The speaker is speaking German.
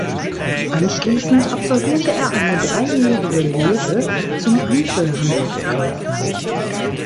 Anschließend absolvierte er eine dreijährige Lehre zum Einzelhandelskaufmann.